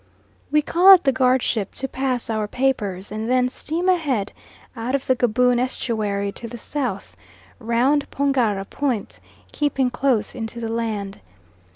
We call at the guard ship to pass our papers, and then steam ahead out of the Gaboon estuary to the south, round Pongara Point, keeping close into the land.